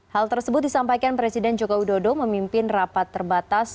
hal tersebut disampaikan presiden jokowi dodo memimpin rapat terbatas